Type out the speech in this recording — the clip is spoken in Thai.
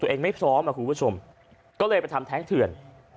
ตัวเองไม่พร้อมครับคุณผู้ชมก็เลยไปทำแท้งเถื่อน